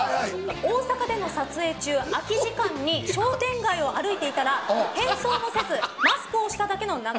大阪での撮影中空き時間に商店街を歩いていたら変装もせずマスクをしただけの長澤さんが歩いてきたそうで。